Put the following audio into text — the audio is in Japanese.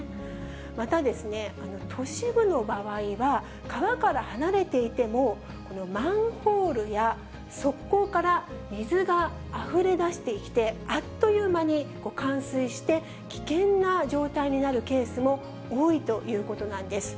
また、都市部の場合は、川から離れていても、マンホールや側溝から水があふれ出してきて、あっという間に冠水して、危険な状態になるケースも多いということなんです。